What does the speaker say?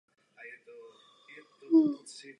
Zkrátka nekonečný boj.